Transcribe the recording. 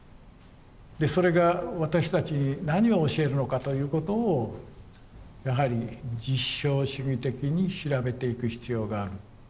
でそれが私たちに何を教えるのかということをやはり実証主義的に調べていく必要がある。